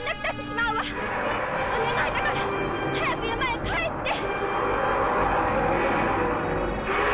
お願いだから早く山へ帰って！